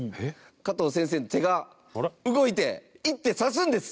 加藤先生の手が動いて一手、指すんです。